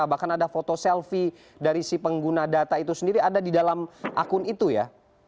bahkan ada foto selfie dari si pengguna data itu sendiri ada di dalam akun itu ya